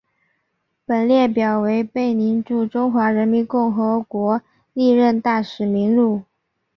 本列表为贝宁驻中华人民共和国历任大使名录。